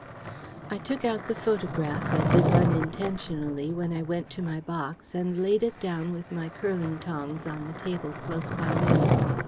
I took out the photograph, as if unintentionally, when I went to my box, and laid it down with my curling tongs on the table close by Minnie.